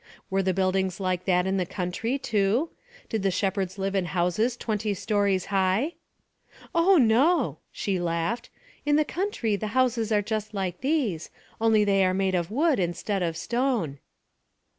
Were the buildings like that in the country too? Did the shepherds live in houses twenty stories high? 'Oh no,' she laughed. 'In the country the houses are just like these, only they are made of wood instead of stone.'